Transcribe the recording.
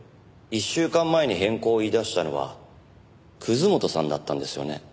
１週間前に変更を言い出したのは本さんだったんですよね？